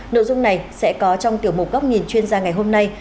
nội dung này sẽ có trong tiểu mục góc nhìn chuyên gia ngày hôm nay